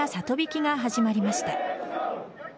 曳きが始まりました。